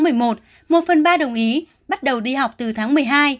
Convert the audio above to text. một phần ba đồng ý bắt đầu đi học từ tháng một mươi hai